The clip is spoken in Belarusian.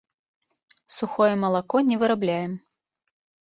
Сухое малако не вырабляем.